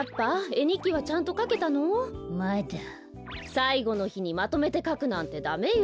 さいごのひにまとめてかくなんてダメよ。